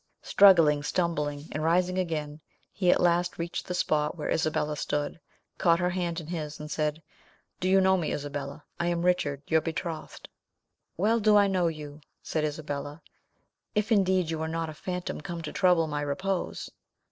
Struggling, stumbling, and rising again, he at last reached the spot where Isabella stood, caught her hand in his, and said, "Do you know me, Isabella? I am Richard, your betrothed." "Well do I know you," said Isabella, "if indeed you are not a phantom come to trouble my repose."